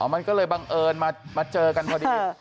มันก็เลยบังเอิญมาเจอกันพอดี